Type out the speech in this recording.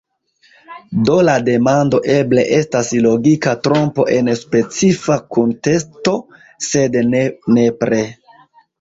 Do la demando eble estas logika trompo en specifa kunteksto, sed ne nepre.